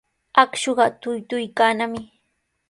Akshuqa tuktuykannami.